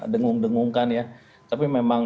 dengung dengungkan ya tapi memang